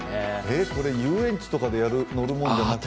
これ、遊園地とかで乗るものじゃなくて？